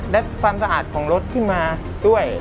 และความสะอาดของรถขึ้นมาด้วย